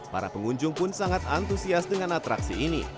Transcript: para pengunjung pun sangat antusias dengan atraksi ini